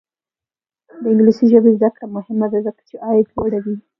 د انګلیسي ژبې زده کړه مهمه ده ځکه چې عاید لوړوي.